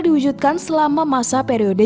diwujudkan selama masa periode